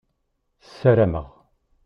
Ssarameɣ.